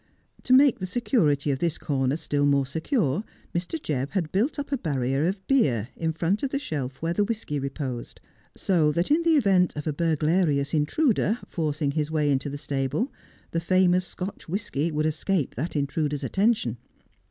To make the security of this corner still more secure Mr. Jebb had built up a barrier of beer in front of the shelf where the whisky reposed, so that in the event of a burglarious intruder forcing his way into the stable the famous Scotch whisky would escape that intruder's attention.